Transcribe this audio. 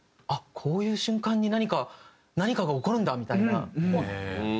こういう瞬間に何か何かが起こるんだみたいな。